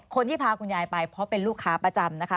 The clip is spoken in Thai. คนที่พาคุณยายไปเพราะเป็นลูกค้าประจำนะคะ